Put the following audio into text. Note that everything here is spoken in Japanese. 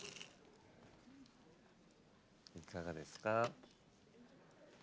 いかがですか？